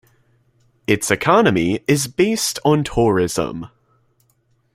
Its economy is based on tourism.